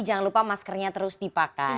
jangan lupa maskernya terus dipakai